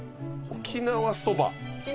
沖縄そば。